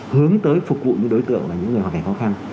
hướng tới phục vụ những đối tượng là những người hoàn cảnh khó khăn